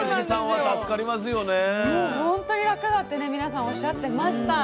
もう本当に楽だってね皆さんおっしゃってました。